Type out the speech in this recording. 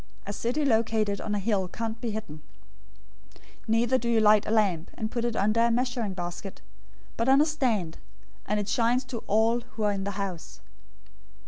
A city located on a hill can't be hidden. 005:015 Neither do you light a lamp, and put it under a measuring basket, but on a stand; and it shines to all who are in the house.